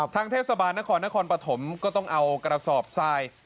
เทศบาลนครนครปฐมก็ต้องเอากระสอบทราย